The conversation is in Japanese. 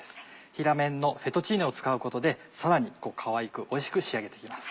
平麺のフェットチーネを使うことでさらにかわいくおいしく仕上げて行きます。